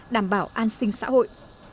đảm bảo an sinh xã hội